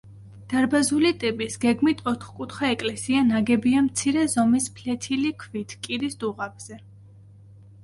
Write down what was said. დარბაზული ტიპის, გეგმით ოთხკუთხა ეკლესია ნაგებია მცირე ზომის ფლეთილი ქვით კირის დუღაბზე.